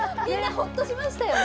ほっとしましたよね。